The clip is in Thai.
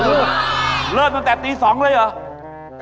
เริ่มตั้งแต่ตี๒เลยเหรอ